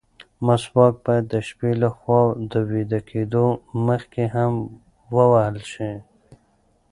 مسواک باید د شپې له خوا د ویده کېدو مخکې هم ووهل شي.